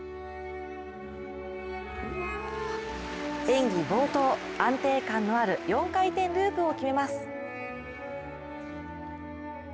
演技冒頭、安定感のある４回転ループを決めます。